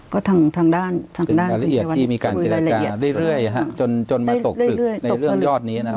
ก็ทางทางด้านทางด้านรายละเอียดที่มีการเจรจาเรื่อยเรื่อยฮะจนจนมาตกเรื่อยเรื่อยในเรื่องยอดนี้นะครับ